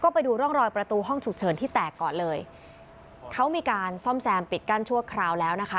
ไปดูร่องรอยประตูห้องฉุกเฉินที่แตกก่อนเลยเขามีการซ่อมแซมปิดกั้นชั่วคราวแล้วนะคะ